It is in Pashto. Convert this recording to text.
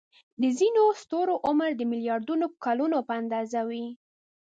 د ځینو ستورو عمر د ملیاردونو کلونو په اندازه وي.